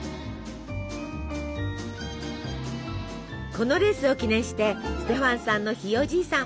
このレースを記念してステファンさんのひいおじいさん